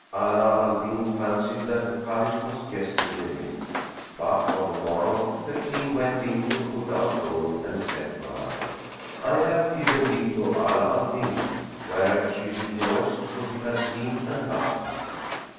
Ala al Din fancied that the Caliph was jesting with him; but, on the morrow, the King went in to Kut al Kulub and said to her, "I have given thee to Ala Al Din, whereat she rejoiced, for she had seen and loved him.